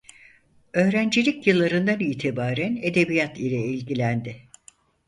Öğrencilik yıllarından itibaren edebiyat ile ilgilendi.